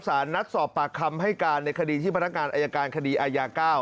สารนัดสอบปากคำให้การในคดีที่พนักงานอายการคดีอายา๙